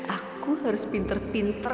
aku harus pinter pinter